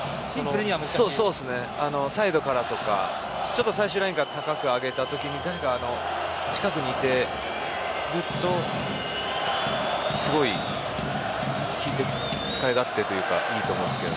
サイドからとかちょっと最終ラインから高く上げた時に誰か近くにいると、すごい使い勝手がいいと思うんですけど。